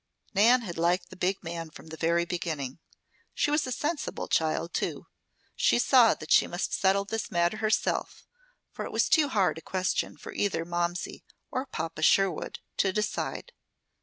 Nan had liked the big man from the very beginning. She was a sensible child, too. She saw that she must settle this matter herself, for it was too hard a question for either Momsey or Papa Sherwood to decide.